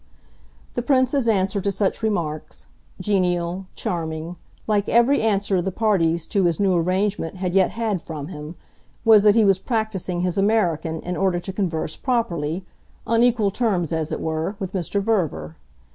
The Prince's answer to such remarks genial, charming, like every answer the parties to his new arrangement had yet had from him was that he was practising his American in order to converse properly, on equal terms as it were, with Mr. Verver.